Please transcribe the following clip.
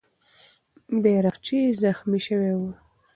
بیرغچی زخمي سوی وو.